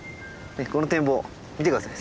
この展望見て下さい。